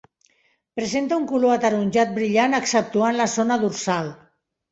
Presenta un color ataronjat brillant exceptuant la zona dorsal.